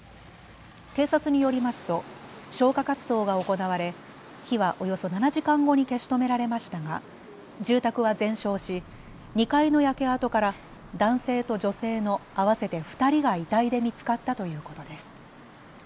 警察によりますと消火活動が行われ火はおよそ７時間後に消し止められましたが住宅は全焼し２階の焼け跡から男性と女性の合わせて２人が遺体で見つかったということです。